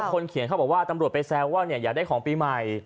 คนเขียนเขาบอกว่าตำรวจไปแซวว่าอยากได้ของปีใหม่